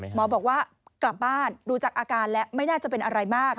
หมอบอกว่ากลับบ้านดูจากอาการแล้วไม่น่าจะเป็นอะไรมาก